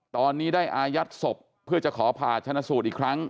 ตอนนี้ได้อายัดศพเพื่อจะขอผ่าชนะสูตรอีกครั้ง